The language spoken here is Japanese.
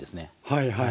はいはい。